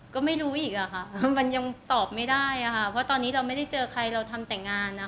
ก็ไม่รู้อีกอะค่ะมันยังตอบไม่ได้อะค่ะเพราะตอนนี้เราไม่ได้เจอใครเราทำแต่งานนะคะ